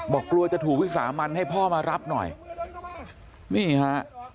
กลัวจะถูกวิสามันให้พ่อมารับหน่อยนี่ฮะ